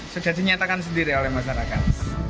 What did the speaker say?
sudah dinyatakan sendiri oleh masyarakat